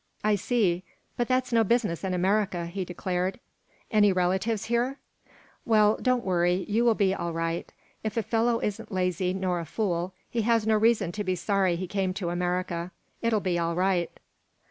"I see, but that's no business in America," he declared. "Any relatives here?" "Well, don't worry. You will be all right. If a fellow isn't lazy nor a fool he has no reason to be sorry he came to America. It'll be all right."